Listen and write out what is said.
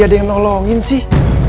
kenapa dia ada yang nolongin sih